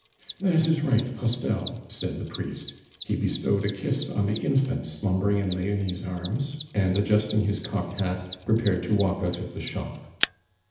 "That is right, Postel," said the priest; he bestowed a kiss on the infant slumbering in Leonie's arms, and, adjusting his cocked hat, prepared to walk out of the shop.